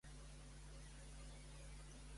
Ensenya'm el contacte de mon pare.